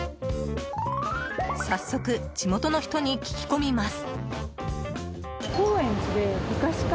早速、地元の人に聞き込みます。